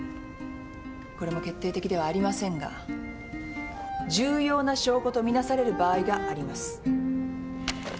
これも決定的ではありませんが重要な証拠と見なされる場合があります。